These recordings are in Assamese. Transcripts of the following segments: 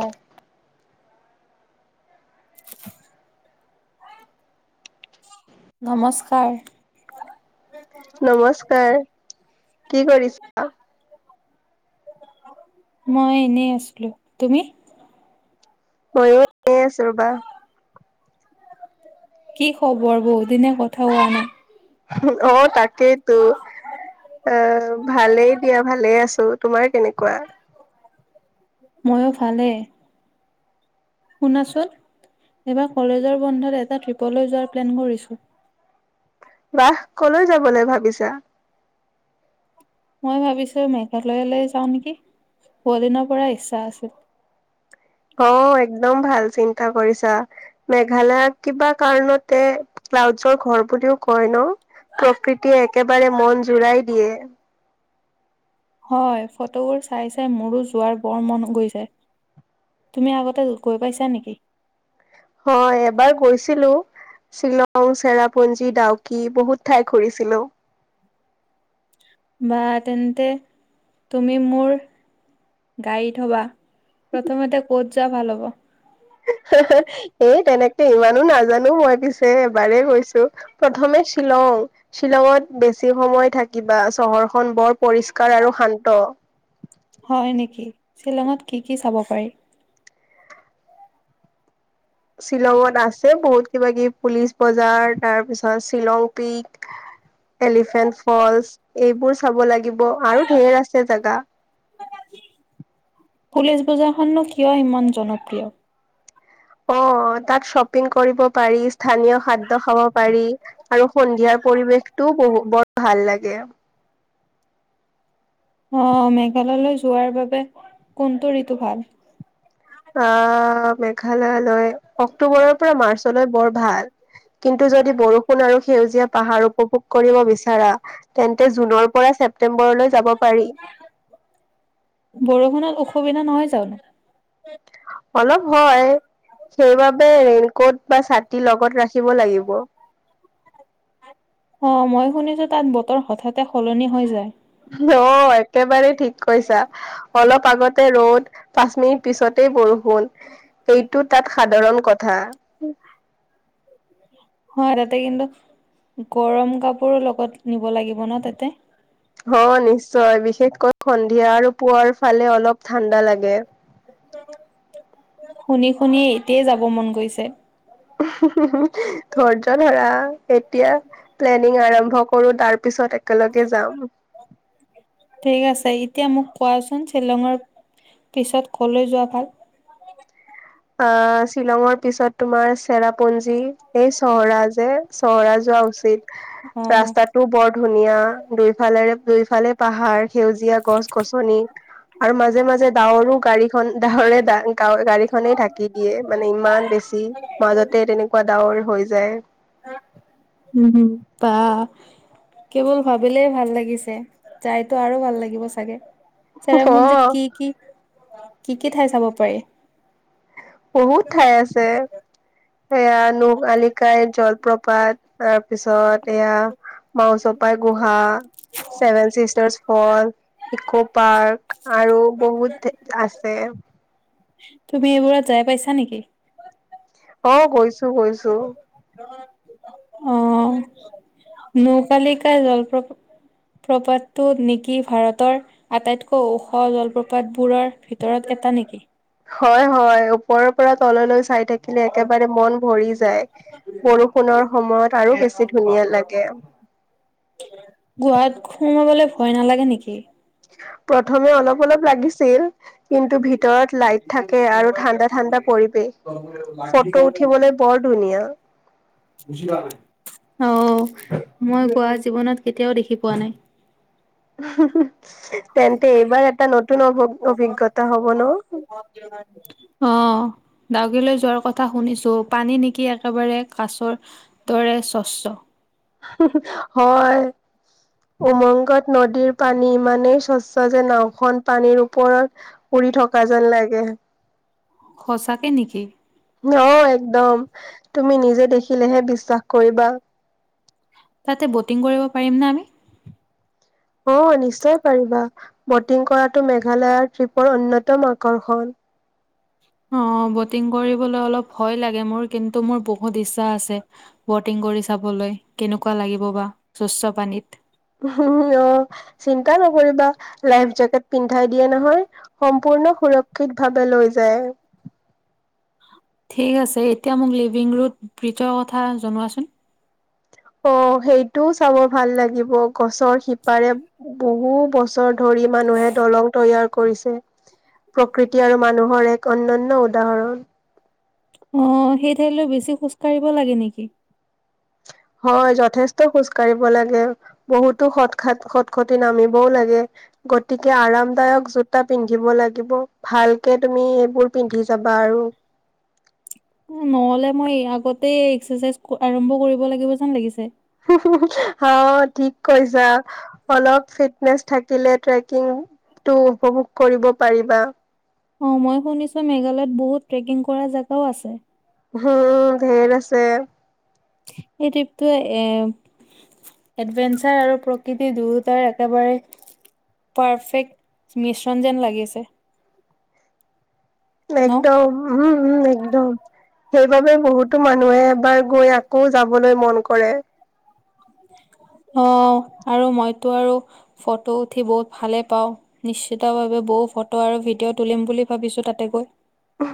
অ'। নমস্কাৰ। নমস্কাৰ, কি কৰিছা? মই এনেই আছিলোঁ, তুমি? ময়ো এনে আছোঁ ৰবা। কি খবৰ বহু অ তাকেইতো অ ভালেই দিয়া ভালেই আছোঁ। তোমাৰ কেনেকুৱা? মইয়ো ভালে। শুনাচোন এবাৰ কলেজৰ বন্ধত এটা ট্ৰিপলৈ যোৱাৰ প্লেন কৰিছোঁ। বাহ কলৈ যাবলৈ ভাবিছা? মই ভাবিছোঁ মেঘালয়লৈ যাওঁ নেকি? বহুদিনৰ পৰা ইচ্ছা আছিল। অ একদম ভাল চিন্তা কৰিছা মেঘালয়ক কিবা কাৰণতে ক্লাউডছৰ ঘৰ বুলিও কয় ন, প্ৰকৃতিয়ে একেবাৰে মন জোৰাই দিয়ে। হয় ফটোবোৰ চাই চাই মোৰো যোৱাৰ বৰ মন গৈছে। তুমি আগতে গৈ পাইছা নেকি? হয় এবাৰ গৈছিলোঁ। শ্বিলং, চেৰাপুঞ্জী, ডাউকি বহুত ঠাই ঘূৰিছিলো। বা তেন্তে তুমি মোৰ গাইড হবা প্ৰথমতে ক'ত যোৱা ভাল হ'ব‌? এই তেনেকে ইমানো নাজানো মই পিছে এবাৰ গৈছো প্ৰথমে শ্বিলং শ্বিলঙত বেছি সময় থাকিবা চহৰখন বৰ পৰিষ্কাৰ আৰু শান্ত হয় নেকি শ্বিলঙত কি কি চাব পাৰি? শ্বিলঙত আছে বহুত কিব কিবি পুলিচ বজাৰ তাৰ পিছত শ্বিলং পিক এলিফেন্ট ফলচ এইবোৰ চাব লাগিব। আৰু ঢেৰ আছে জেগা। পুলিচ বজাৰখননো কিয় ইমান জনপ্ৰিয়? অ তাত শ্বপিং কৰিব পাৰি স্থানীয় খাদ্য খাব পাৰি। আৰু সন্ধিয়াৰ পৰিৱেশটোও বহু বৰ ভাল লাগে। অ মেঘালয়লৈ যোৱাৰ বাবে কোনটো ঋতু ভাল? আহ মেঘালয়লৈ অক্টোবৰৰ পৰা মাৰ্চলৈ বৰ ভাল। কিন্তু যদি বৰষুণ আৰু সেউজীয়া পাহাৰ উপভোগ কৰিব বিচাৰা তেন্তে জুনৰ পৰা, ছেপ্তেম্বৰলৈ যাব পাৰি। বৰষুণত অসুবিধা নহয় জানো? অলপ হয় সেইবাবে ৰেইনকোট বা ছাতি লগত ৰাখিব লাগিব অ মই শুনিছো তাত বতৰ হঠাতে সলনি হৈ যায় অ একেবাৰে ঠিক কৈছা অলপ আগতে ৰদ পাঁচ মিনিট পিছতে বৰষুণ এইটোত তাত সাধাৰণ কথা। উ হয় তাতে কিন্তু গৰম কাপোৰো লগত নিব লাগিব ন তাতে অ নিশ্চয় বিশেষকৈ সন্ধিয়া আৰু পুৱাৰ ফালে অলপ ঠাণ্ডা লাগে শুনি শুনি এতিয়াই যাব মন গৈছে। ধৈৰ্য ধৰা এতিয়া প্লেনিং আৰম্ভ কৰো তাৰ পিছত একেলগে যাম ঠিক আছে এতিয়া মোক কোৱাচোন শ্বিলঙৰ পিছত কলৈ যোৱা ভাল? অ শ্বিলঙৰ পিছত তোমাৰ চেৰাপুঞ্জী এই চহৰা যে চহৰাজ উচিত উ ৰাস্তাটো বৰ ধুনীয়া দুইফালেৰে দুইফালে পাহাৰ সেউজীয়া গছ গছনি, আৰু মাজে মাজে ডাৱৰো গাড়ীখন ডাৱৰে ডা গা গাড়ীখন খনেই ঢাকি দিয়ে মানে ইমান বেছি মাজতে তেনেকুৱা ডাৱৰ হৈ যায়। উমম বা কেৱল ভাবিলেই ভাল লাগিছে যাইতো আৰু ভাল লাগিব চাগে চেৰাপুঞ্জিত অ কি কি কি কি ঠাই চাব পাৰি? বহুত ঠাই আছে। এয়া নোক আলিকাই জলপ্ৰপাত তাৰপিছত এয়া মাউ চ পাই গুহা চছেভেন চিষ্টাৰচ্ ফল ইকৌ পাৰ্ক আৰু বহুত আছে তুমি এইবোৰত যাই পাইছা নিকি? অ গৈছো গৈছো। অ' নৌ কালিকা জলপ্ৰপাত প্ৰপাতটো নিকি ভাৰতৰ আটাইতকৈ ওখ জলপ্ৰপাত। বোৰৰ ভিতৰত এটা নিকি? হয় হয় ওপৰৰ পৰা তললৈ চাই থাকিলে একেবাৰে মন ভৰি। যায়, বৰষুণৰ সময়ত আৰু বেছি ধুনীয়া লাগে। গোহাত সোমাবলৈ ভয় নালাগে নেকি? প্ৰথমে অলপ অলপ লাগিছিল, কিন্তু ভিতৰত লাইট থাকে আৰু ঠাণ্ডা-ঠাণ্ডা পৰিৱেশ, ফটো উঠিবলৈ বৰ ধুনীয়া। বুজিলা নাই? অ' মই গোৱা জীৱনত কেতিয়াও দেখি পোৱা নাই। হু হু, তেন্তে এইবাৰ এটা নতুন অভি অভিজ্ঞতা হ'ব ন? [unintelligible] অ' ডাউকিলৈ যোৱাৰ কথা শুনিছো, পানী নিকি একেবাৰে কাছৰ দৰে- স্বচ্ছ। হু হু হয়, উমংগত নদীৰ পানী ইমানেই স্বচ্ছ যে, নাওখন পানীৰ ওপৰত উৰি থকা যেন লাগে। সঁচাকে নিকি? অ একদম তুমি নিজে দেখিলেহে বিশ্বাস কৰিবা। তাতে ব'টিং কৰিব পাৰিম না আমি? অ' নিশ্চয় পাৰিবা, বটিং কৰাটো মেঘালয়ৰ ট্ৰিপৰ অন্যতম আকৰ্ষণ। অ' বটিং কৰিবলৈ অলপ ভয় লাগে মোৰ, কিন্তু মোৰ বহুত ইচ্ছা আছে বটিং কৰি চাবলৈ কেনেকুৱা লাগিব বা স্বচ্ছ পানীত। হু হু অহ' চিন্তা নকৰিবা লাইফ জেকেট পিন্ধি উঠাই দিয়ে নহয়, সম্পূৰ্ণ সুৰক্ষিত ভাৱে লৈ যায়। ঠিক আছে, এতিয়া মোক লিভিং ৰোড বিজৰ কথা জনোৱাচোন? অ' সেইটোও চাব ভাল লাগিব গছৰ শিপাৰে বহু বছৰ ধৰি মানুহে দলং তৈয়াৰ কৰিছে, প্ৰকৃতি আৰু মানুহৰ এক অন্যান্য উদাহৰণ। অ' সেই ঠাইলৈ বেছি খোজ কাঢ়িব লাগে নেকি? হয় যথেষ্ট খোজকাঢ় কাঢ়িৰ লাগে বহুতো সৎ, সৎ-খতি নামিবও লাগে গতিকে আৰামদায়ক জোতা পিন্ধিব লাগিব, ভালকে তুমি এইবোৰ পিন্ধি যাবা আৰু। নহ'লে মই আগতে এক্সাৰচাইজ আৰম্ভ কৰিব লাগিব যেন লাগিছে। হু হু হু অ' ঠিক কৈছা অলপ ফিটনেচ থাকিলে ট্ৰেকিং টো উপভোগ কৰিব পাৰিবা। অ' মই শুনিছো মেঘালয়ত বহুত ট্ৰেকিং কৰা জেগাও আছে? উম' ধেৰ আছে। এই ট্ৰিপটো এ এডভেঞ্চাৰ আৰু প্ৰকৃতি, দুয়োটাৰ একেবাৰে পাৰফেক্ট মিশ্ৰণ যেন লাগিছে। ন একদম উম' উম একদম। সেইবাবে বহুতো মানুহে এবাৰ গৈ আকৌ যাবলৈ মন কৰে। [unintelligible] অ' আৰু মইতো আৰু ফটো উঠি বহুত ভালে পাও, নিশ্চিতভাৱে - বৌ ফটো আৰু ভিডিঅ তুলিম বুলি ভাবিছো তাতে গৈ।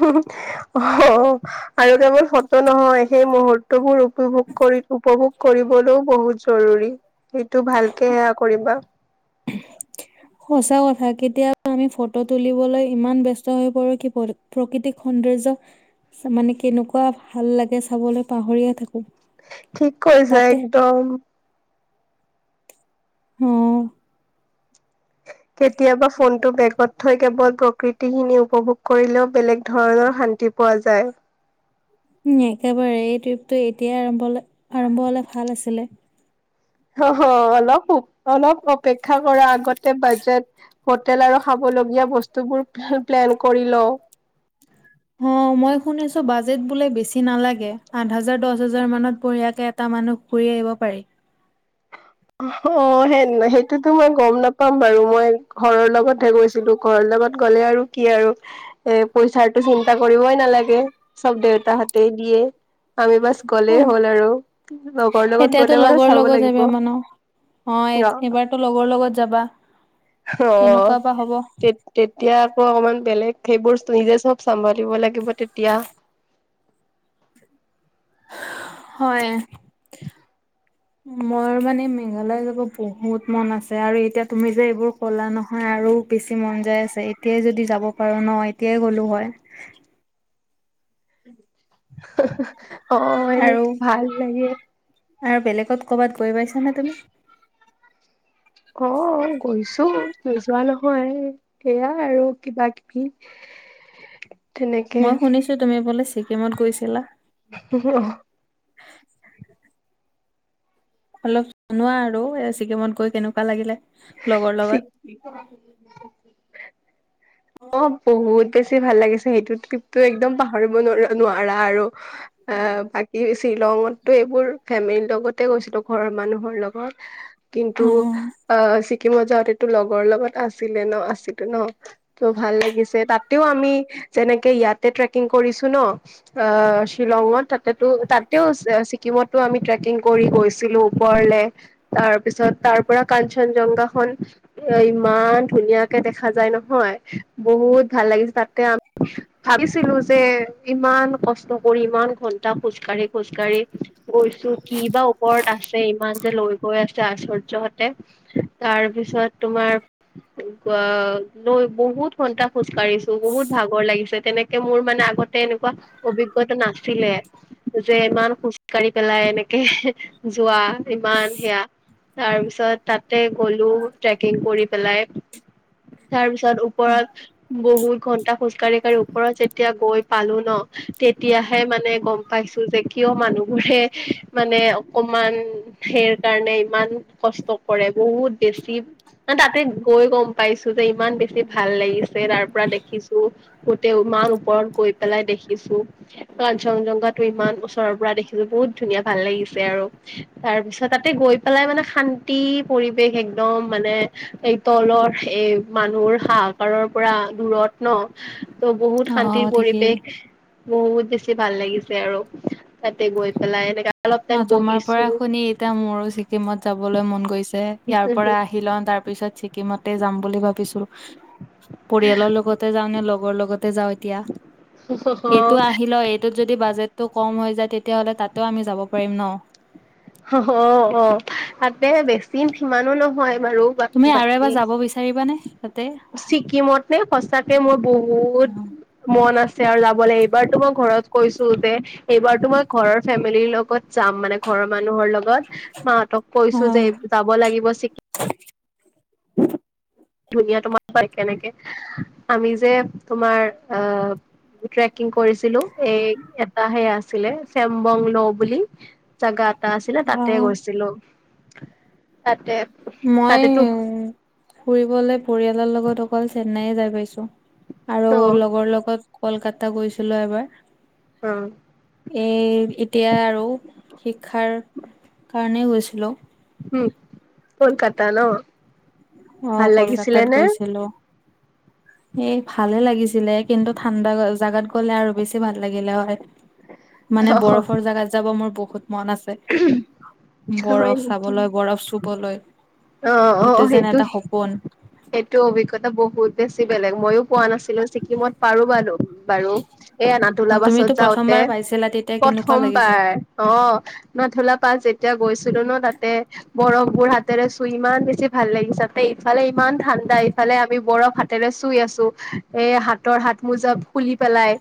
হুহু অ' আৰু কেৱল ফটো নহয় সেই মুহূুৰ্তবোৰ উপভোগ কৰি উপভোগ কৰিবলৈও বহুত জৰুৰী। সেইটো ভালকে সেয়া কৰিবা। কেতিয়া আমি ফটো তুলিবলৈ ইমান ব্যস্ত হৈ পৰো, কি প্ৰকৃতিক সৌন্দৰ্য মানে কেনেকুৱা ভাল লাগে চাবলে পাহৰিয়ে থাকো। ঠিক কৈছা তাতে একদম। হম। কেতিয়াবা ফোনটো বেগ ত থই কেৱল প্ৰকৃতিখিনি উপভোগ কৰিলেও বেলেগ ধৰণৰ শান্তি পোৱা যায়। উম একেবাৰে এই ট্ৰিপটো এতিয়াই আৰম্ভ হলে আৰম্ভ হলে ভাল আছিলে। হ হ অলপ সুখ অলপ অলপ। অপেক্ষা কৰ আগতে বাজেট হোটেল আৰু খাব লগীয়া বস্তুবোৰ প্লেন কৰিল। অ মই শুনিছো বাজেট বোলে বেছি নালাগে আঠ হাজাৰ দচ হাজাৰ মানত বঢ়িয়াকে এটা মানুহ ঘুৰি আহিব পাৰি। অ হ সেই সেইটোতো মই গম নাপাম বাৰু মই ঘৰৰ লগত হে গৈছিলো। ঘৰৰ লগত গ'লে আৰু কি আৰু। এ পইচাৰটো চিন্তা কৰিবই নালাগে। চব দেউতা হতে দিয়ে। আমি বাছ গ'লেই অ' হ'ল আৰু লগৰ লগত এতিয়াতো গ'লে বাৰু লগৰ চাব লগত যাবা লাগিব। মানে অ এইবাৰতো লগৰ লগত যাবা? হ কেনেকুৱা বা হ'ব তে তেতিয়া আকৌ অকমান বেলেগ। সেইবোৰ নিজে চব চম্ভালিব লাগিব তেতিয়া। হয়। মই মানে মেঘালয় যাব বহুত মন আছে আৰু এতিয়া তুমি যে এইবোৰ কলা নহয়। আৰু বেছি মন যাই আছে। এতিয়াই যদি যাব পাৰো ন এতিয়াই গ'লো হয়। অ আৰু এনেকে ভাল লাগে। আৰু বেলেগত ক'ৰবাত গৈ পাইছানে তুমি? অ গৈছো নোযোৱা নহয়। সেইয়াই আৰু কিবা কিবি। মই শুনিছো তুমি বোলে ছিকিমত গৈছিলা? অহ [unintelligible] অলপ জনোৱা আৰু এ ছিকিমত গৈ কেনেকুৱা লাগিলে। লগৰ লগত অ বহুত [unintelligible] তে ভাল লাগিছে সেইটো ট্ৰিপটো একদম পাহৰিব ন নোৱাৰা আৰু। শ্বিলংতটো এইবোৰ ফেমিলিৰ লগতে গৈছিলো ঘৰৰ মানুহৰ লগত। কিন্তু উম আহ ছিকিমত যাওঁতেটো লগৰ লগত আছিলে ন আছিলে ন ত' ভাল লাগিছে। তাতেও আমি যেনেকে ইয়াতে ট্ৰেকিং কৰিছো ন অ ছিলংত। তাতে টো তাতেও ছিকিমত টো আমি ট্ৰেকিং কৰি গৈছিলো ওপৰলে। তাৰ পিছত তাৰ পৰা কাঞ্চনজংঘা খন ইমান ধুনীয়াকে দেখা যায় নহয়। বহুত ভাল লাগিছে। তাতে আকৌ ভাবিছিলো যে ইমান কষ্ট কৰি ইমান ঘন্টা খোজ কাঢ়ি খোজ কঢ়ি গৈছো কি বা ওপৰত আছে ইমান যে লৈ গৈ আছে আশ্চৰ্য্যহত। এ তাৰ পিছত তোমাৰ লৈ বহুত ঘণ্টা খোজ কাঢ়িছো বহুত ভাগৰ লাগিছে। তেনেকে মোৰ মানে আগতে এনেকুৱা অভিজ্ঞতা নাছিলে। যে ইমান খোজ কাঢ়ি পেলাই এনেকে যোৱা ইমান সেয়া। তাৰ পিছত তাতে গ'লো ট্ৰেকিং কৰি পেলাই। তাৰ পিছ ত ওপৰত বহুত ঘন্টা খোজকাঢ়ি কাঢ়ি ওপৰত যেতিয়া গৈ পালো ন তেতিয়াহে মানে গম পাইছো যে কিয় মানুহবোৰে মানে অকমান সেৰ কাৰণে ইমান কষ্ট কৰে। বহুত বেছি মানে তাতে গৈ গম পাইছো যে ইমান বেছি ভাল লাগিছে। তাৰ পৰা দেখিছো গোতে উমাহ ওপৰত গৈ পেলাই দেখিছো। কাঞ্চনজংঘাটো ইমান ওচৰৰ পৰা দেখিছো বহুত ধুনীয়া ভাল লাগিছে আৰু তাৰ পিছত। তাতে গৈ পেলাই মানে। শান্তি পৰিৱেশ একদম মানে এই তলৰ এই মানুহৰ হাহাকাৰৰ। পৰা দূৰত ন ত বহুত অ শান্তিৰ ঠিকেই পৰিৱেশ? বহুত বেছি ভাল লাগিছে আৰু তাতে গৈ পেলাই, এনেকা অলপ টাইম অ', তোমাৰ বহিছো পৰা শুনি এতিয়া মোৰো ছিকিমত যাবলৈ মন গৈছে, ইয়াৰ পৰা আহি লওঁ তাৰ পিছত ছিকিমতেই যাম বুলি ভাবিছো। পৰিয়ালৰ লগতে যাওঁ নে লগৰ লগতে যাওঁ এইটো আহিলোঁ, এইটোত যদি বাজেটটো কম হৈ যায় তেতিয়া হলে তাতে আমি যাব পাৰিম। হয় ন। অ অ তাতে বেছি সিমানো নহয়। মাৰো তুমি আৰু বাকি। এবাৰ যাব বিচাৰিবানে তাতে ছিকিমত নে সচাকে মোৰ বহুত মন আছে আৰু যাব লাগিব। এইবাৰো মই ঘৰত কৈছো যে এইবাৰতো মই ঘৰৰ ফেমিলিৰ লগত যাম মানে ঘৰৰ মানুহৰ লগত। মাহঁতক অ কৈছো যে যাব লাগিব চিকি। ধুনীয়া তোমাৰ কেনেকে আমি যে তোমাৰ আহ। ট্ৰেকিং কৰিছিলো এই এটা সে আছিলে চেম্বং ন বুলি জাগাত। টা আছিলে অ তাতে গৈছিলো তাতে। মই তাতেতো ফুৰিবলৈ? পৰিয়ালৰ লগত অকল চেন্নাইয়ে যাই পাইছো আৰু অ লগৰ লগত। কলকাতা গৈছিলো এবাৰ। অ এই এতিয়া আৰু শিক্ষাৰ কাৰণেই গৈছিলোঁ? উম কলকাতা ন। অ ভাল লাগিছিলে কলকাতাত নে গৈছিলো। এ ভালে লাগিছিলে কিন্তু ঠাণ্ডা জাগাত গ'লে আৰু বেছি ভাল লাগিলে হয়। মানে অ বৰফৰ জাগাত যাব মোৰ বহুত মন আছে। হয় বৰফ নেকি চাবলৈ বৰফ চুবলৈ, এইটো যেন এটা সপোন এইটো অভিজ্ঞতা বহুত বেছি বেলেগ, মইও পোৱা নাছিলো ছিকিমত পাৰো বা বাৰু এই আনা অ তোলা বাছত তুমিতো যাওঁতে, প্ৰথমবাৰ পাইছিলা তেতিয়া কেনেকুৱা লাগিছে প্ৰথমবাৰ অ'। ধোলা পাহ যেতিয়া গৈছিলোঁ ন তাতে, বৰফবোৰ হাতেৰে চুই ইমান বেছি ভাল লাগিছে তাতে ইফালে ফালে ইমান ঠাণ্ডা ইফালে আমি বৰফ হাতেৰে চুই আছোঁ, এ হাতৰ হাত মোজা খুলি পেলা পাই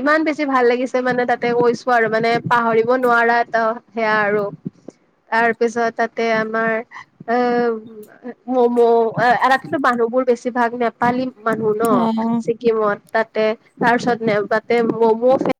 ইমান বেছি ভাল লাগিছে মানে তাতে গৈছোঁ আৰু মানে পাহৰিব নোৱাৰা এটা সেয়া আৰু। তাৰপিছত তাতে আমাৰ অ, ম'ম' অ, ৰাতিতো মানুহ বোৰ বেছিভাগ নেপালী মানুহ ন, অ ছিকিমত? তাত তা তাৰ পিছত ন তাতে ম'ম'